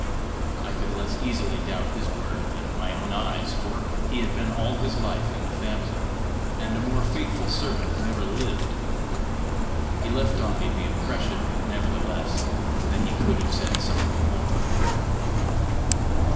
I could less easily doubt his word than my own eyes, for he had been all his life in the family, and a more faithful servant never lived. He left on me the impression, nevertheless, that he could have said something more.